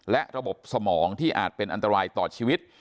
และระบบสมองที่อาจเป็นอันตรายต่อชีวิต